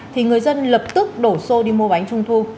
thì người dân lập tức đổ xô đi mua bánh trung thu